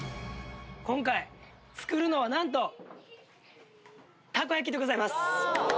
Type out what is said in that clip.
今回、作るのはなんと、たこ焼きでございます。